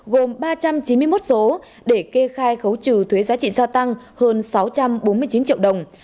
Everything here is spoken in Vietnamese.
gồm ba trăm chín mươi một số để kê khai khấu trừ thuế giá trị gia tăng hơn sáu trăm bốn mươi chín triệu đồng